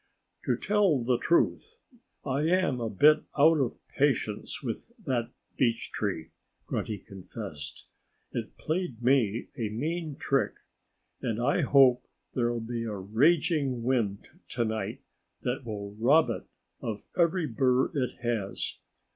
"To tell the truth, I am a bit out of patience with that beech tree," Grunty confessed. "It played me a mean trick. And I hope there'll be a raging wind to night that will rob it of every bur it has....